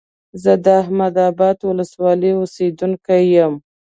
زه د احمد ابا ولسوالۍ اوسيدونکى يم.